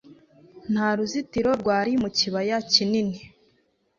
Nta ruzitiro rwari mu kibaya kinini